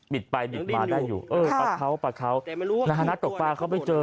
บิดไปบิดมาได้อยู่เออปลาเขาปลาเขาแต่ไม่รู้ว่านักตกปลาเขาไปเจอ